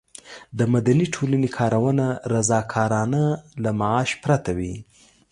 د مدني ټولنې کارونه رضاکارانه او له معاش پرته وي.